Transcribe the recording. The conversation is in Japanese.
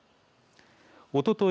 おととい